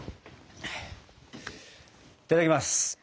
いただきます。